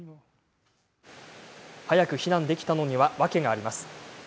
早く避難できたのには訳があります。